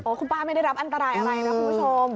คุณป้าไม่ได้รับอันตรายอะไรนะคุณผู้ชม